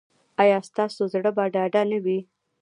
ایا ستاسو زړه به ډاډه نه وي؟